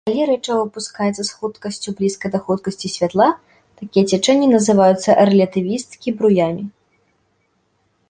Калі рэчыва выпускаецца з хуткасцю, блізкай да хуткасці святла, такія цячэнні называюцца рэлятывісцкі бруямі.